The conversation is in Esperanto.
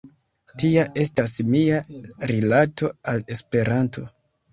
Tia estas mia rilato al Esperanto.